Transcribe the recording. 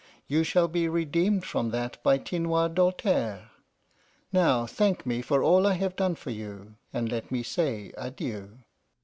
You shall be redeemed from that by Tinoir Doltaire. Now thank me for all I have done for you, and let me say adieu.